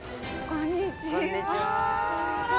こんにちは。